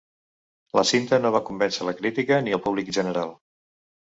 La cinta no va convèncer la crítica ni el públic general.